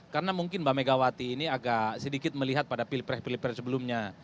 karena mungkin mbak megawati ini agak sedikit melihat pada pilih pilih sebelumnya